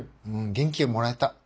元気をもらえた。